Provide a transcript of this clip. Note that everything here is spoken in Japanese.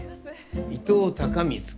伊藤孝光君。